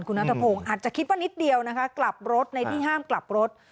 คุณนัทพงศ์อาจจะคิดว่านิดเดียวนะคะกลับรถในที่ห้ามกลับรถ